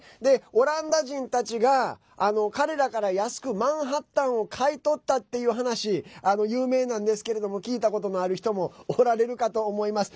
オランダ人たちが、彼らから安くマンハッタンを買い取ったっていう話有名なんですけれども聞いたことのある人もおられるかと思います。